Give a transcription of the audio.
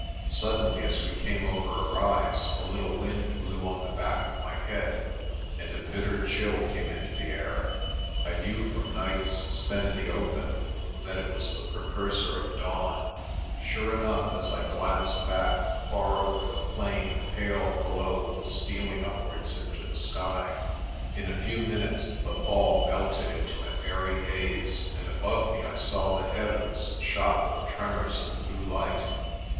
Suddenly as we came over a rise a little wind blew on the back of my head, and a bitter chill came into the air. I knew from nights spent in the open that it was the pre cursor of dawn. Sure enough, as I glanced back, far over the plain a pale glow was stealing upwards into the sky. In a few minutes the pall melted into an airy haze, and above me I saw the heavens shot with tremors of blue light.